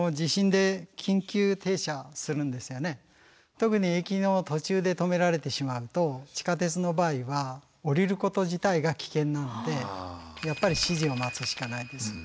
特に駅の途中で止められてしまうと地下鉄の場合は降りること自体が危険なのでやっぱり指示を待つしかないです。